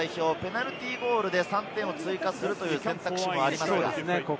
ペナルティーゴールで３点追加するという選択肢もありますが。